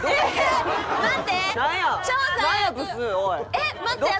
えっ待って私。